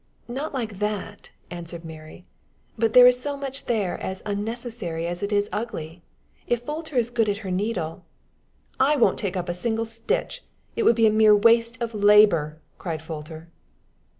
"Not like that," answered Mary; "but there is much there as unnecessary as it is ugly. If Folter is good at her needle " "I won't take up a single stitch. It would be mere waste of labor," cried Folter.